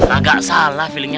agak salah feelingnya